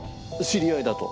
「知り合いだ」と。